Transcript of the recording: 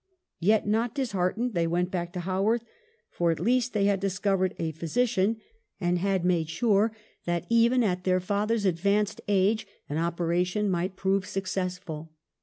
Yet, not dis heartened, they went back to Haworth ; for at least they had discovered a physician and had TROUBLES. 203 made sure that, even at their father's advanced age, an operation might prove successful.